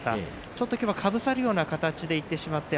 ちょっときょうかぶさるような形でいってしまった。